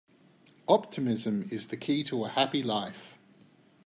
Optimism is the key to a happy life.